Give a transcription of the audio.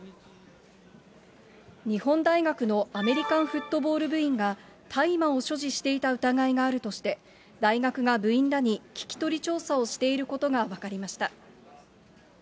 日本大学のアメリカンフットボール部員が、大麻を所持していた疑いがあるとして、大学が部員らに聞き取り調査をしていることが分かりました。